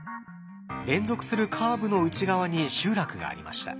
連続するカーブの内側に集落がありました。